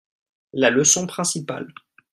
La leçon principale.